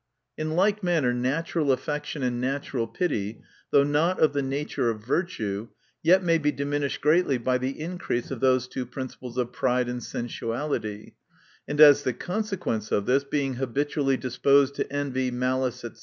In like manner natural affection and natural pity, though not of the nature of viitue, yet may be diminished greatly by the increase of those two principles of pride and sensuality, and as the consequence of this, being habitually disposed to envy, malice, &c.